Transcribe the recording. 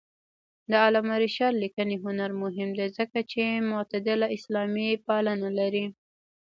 د علامه رشاد لیکنی هنر مهم دی ځکه چې معتدله اسلاميپالنه لري.